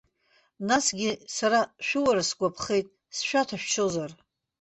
Насгьы сара шәуара сгәаԥхеит, сшәаҭәашәшьозар.